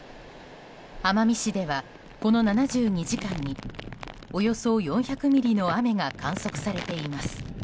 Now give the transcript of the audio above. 奄美市では、この７２時間におよそ４００ミリの雨が観測されています。